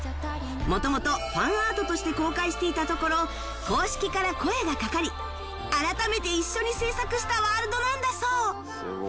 元々ファンアートとして公開していたところ公式から声がかかり改めて一緒に制作したワールドなんだそう